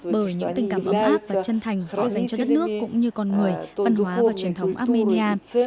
bởi những tình cảm ấm áp và chân thành có dành cho đất nước cũng như con người văn hóa và truyền thống armenia